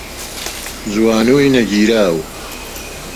جوانووی نەگیراو